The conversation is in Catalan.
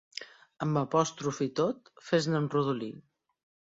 Amb apòstrof i tot, fes-ne un rodolí.